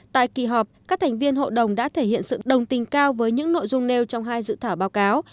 tại kỳ họp các thành viên hội đồng đã thể hiện sự đồng tình cao với những nội dung nêu trong hai dự thảo báo cáo